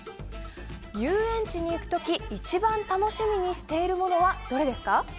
遊園地に行く時一番楽しみにしているものはどれですか？